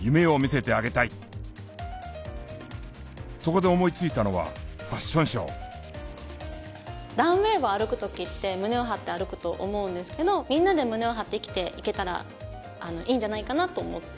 そこで思いついたのはランウェーを歩く時って胸を張って歩くと思うんですけどみんなで胸を張って生きていけたらいいんじゃないかなと思って。